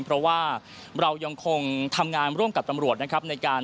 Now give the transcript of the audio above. เพราะว่ายังคงทำงานร่วมกับตำรวจการตามลากคนร้าย